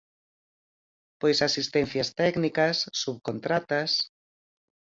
Pois asistencias técnicas, subcontratas...